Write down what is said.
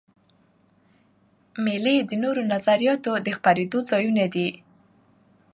مېلې د نوو نظریاتو د خپرېدو ځایونه دي.